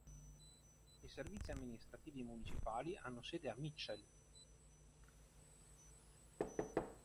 I servizi amministrativi municipali hanno sede a Mitchell.